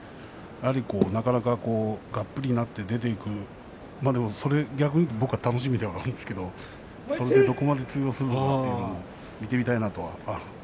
やはり、なかなかがっぷりになって出ていくそれは僕は楽しみではありますけれどそれが通用するというところを見てみたいなと思います。